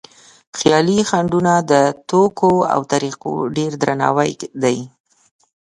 خیالي خنډونه د توکو او طریقو ډېر درناوی دی.